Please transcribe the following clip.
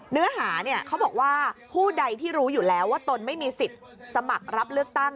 เนื้อหาเนี่ยเขาบอกว่าผู้ใดที่รู้อยู่แล้วว่าตนไม่มีสิทธิ์สมัครรับเลือกตั้ง